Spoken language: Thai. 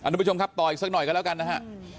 ดูผู้ชมครับต่ออีกแฮปเล่นได้จากนั้นกันนะฮะ